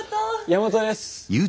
山本です。